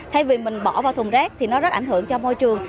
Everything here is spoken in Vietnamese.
thay vì mình bỏ vào thùng rác thì nó rất ảnh hưởng cho môi trường